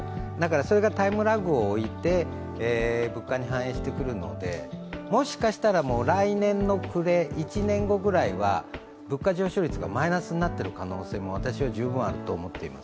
それがタイムラグを置いて物価に反映してくるので、もしかしたら、来年の暮れ１年後ぐらいは物価上昇率がマイナスになっている状況も十分あると思っています。